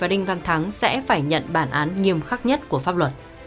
đinh văn thắng sẽ phải nhận bản án nghiêm khắc nhất của pháp luật